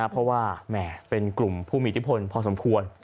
เพราะว่าเป็นกลุ่มผู้มีที่พลพอสมควร